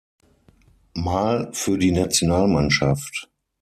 Mal für die Nationalmannschaft.